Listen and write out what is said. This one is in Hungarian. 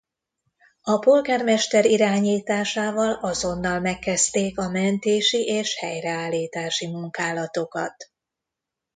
A polgármester irányításával azonnal megkezdték a mentési és helyreállítási munkálatokat.